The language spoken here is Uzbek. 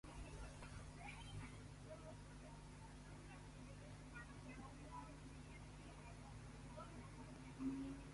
Kambag'alning puli — peshona teri.